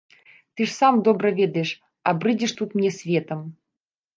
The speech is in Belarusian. Ты ж сам добра ведаеш, а брыдзіш тут мне светам!